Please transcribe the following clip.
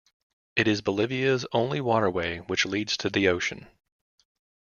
It is Bolivia's only waterway which leads to the ocean.